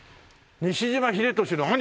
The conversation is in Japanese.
西島秀俊の兄？